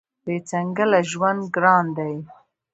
بې ځنګله ژوند ګران دی.